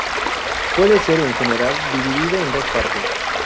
Puede ser, en general, dividido en dos partes.